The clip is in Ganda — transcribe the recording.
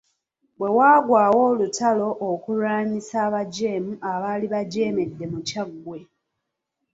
Bwe waagwawo olutalo okulwanyisa abajeemu abaali bajeemedde mu Kyaggwe.